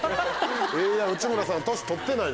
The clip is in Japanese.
いや内村さん年取ってない！